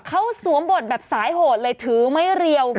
เขาสวมบทแบบสายโหดเลยถือไม้เรียว